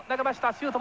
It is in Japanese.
シュート。